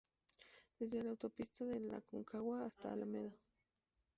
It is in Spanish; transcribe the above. Desde Autopista del Aconcagua hasta Alameda